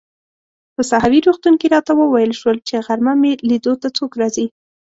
په ساحوي روغتون کې راته وویل شول چي غرمه مې لیدو ته څوک راځي.